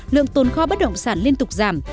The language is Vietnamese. lượng tồn kho bất động sản liên tục giảm